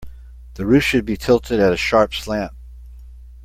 The roof should be tilted at a sharp slant.